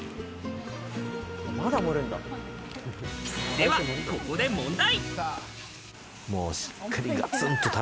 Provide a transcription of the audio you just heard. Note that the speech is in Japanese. では、ここで問題！